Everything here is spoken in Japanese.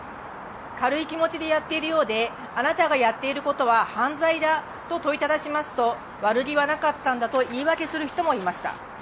軽い気持ちでやっているようであなたがやっていることは犯罪だと問いただしますと悪気はなかったんだと言い訳する人もいました